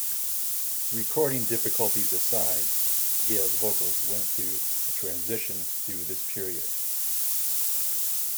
Recording difficulties aside, Gaye's vocals went through a transition through this period.